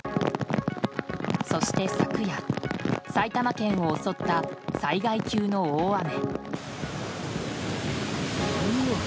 そして昨夜、埼玉県を襲った災害級の大雨。